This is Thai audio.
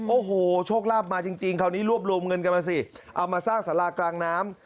โอ้โหโชคลาภมาจริงคราวนี้รวบรวมเงินกันมาสิเอามาสร้างสารากลางน้ำ